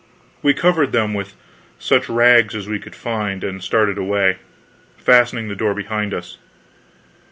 We covered them with such rags as we could find, and started away, fastening the door behind us.